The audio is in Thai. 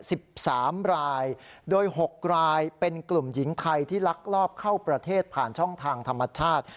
สิบสามรายโดยหกรายเป็นกลุ่มหญิงไทยที่ลักลอบเข้าประเทศผ่านช่องทางธรรมชาติ